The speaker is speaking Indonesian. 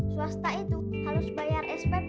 swasta itu harus bayar spp